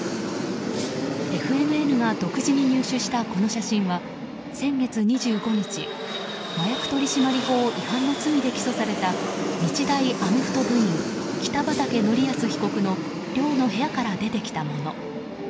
ＦＮＮが独自に入手したこの写真は先月２５日麻薬取締法違反の罪で逮捕された日大アメフト部員北畠成文被告の寮の部屋から出てきたもの。